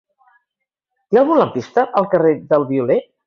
Hi ha algun lampista al carrer del Violer?